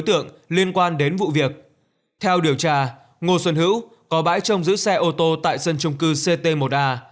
tượng liên quan đến vụ việc theo điều tra ngô xuân hữu có bãi trông giữ xe ô tô tại sân trung cư ct một a